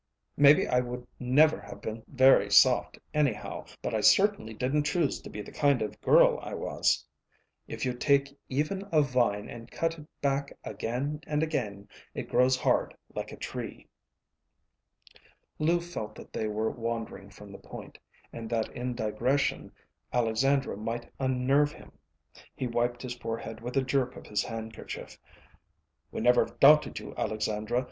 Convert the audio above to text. Maybe I would never have been very soft, anyhow; but I certainly didn't choose to be the kind of girl I was. If you take even a vine and cut it back again and again, it grows hard, like a tree." Lou felt that they were wandering from the point, and that in digression Alexandra might unnerve him. He wiped his forehead with a jerk of his handkerchief. "We never doubted you, Alexandra.